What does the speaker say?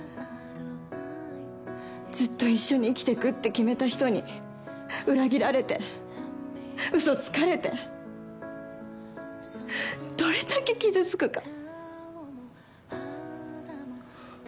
ずっと一緒に生きてくって決めた人に裏切られて、嘘つかれてどれだけ傷つくか。